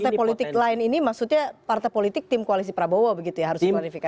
partai politik lain ini maksudnya partai politik tim koalisi prabowo begitu ya harus diklarifikasi